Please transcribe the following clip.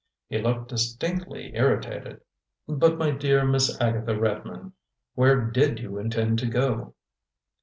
He looked distinctly irritated. "But my dear Miss Agatha Redmond, where did you intend to go?"